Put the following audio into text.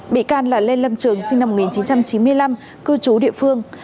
bị can là lê lâm trường sinh năm một nghìn chín trăm chín mươi năm cư trú địa phương